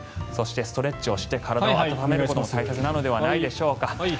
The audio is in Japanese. そして、ストレッチをして体を温めることも大切なのではないでしょうか。